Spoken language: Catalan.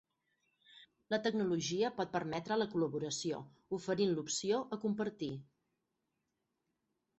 La tecnologia pot permetre la col·laboració, oferint l'opció a compartir.